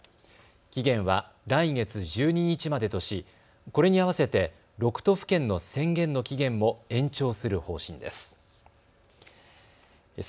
期限は来月１２日までとしこれにあわせて６都府県の宣言の期限も延長する方針です。